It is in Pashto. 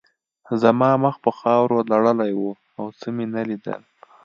زما مخ په خاورو لړلی و او څه مې نه لیدل